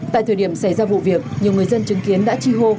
tại thời điểm xảy ra vụ việc nhiều người dân chứng kiến đã chi hô